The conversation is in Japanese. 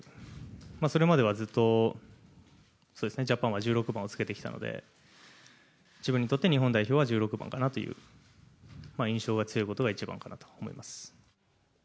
それまではずっと、ジャパンは１６番をつけてきたので、自分にとって日本代表は１６番かなという印象が強いことが一番かなと思います。